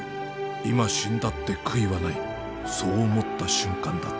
今死んだって悔いはないそう思った瞬間だった。